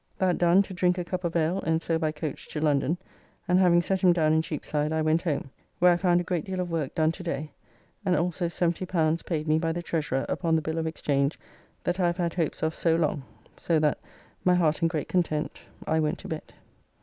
That done to drink a cup of ale and so by coach to London, and having set him down in Cheapside I went home, where I found a great deal of work done to day, and also L70 paid me by the Treasurer upon the bill of exchange that I have had hopes of so long, so that, my heart in great content; I went to bed.